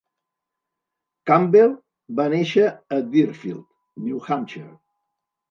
Campbell va néixer a Deerfield, New Hampshire.